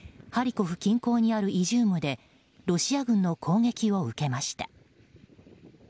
ハリコフ近郊にあるイジュームでロシア軍の攻撃を受けました。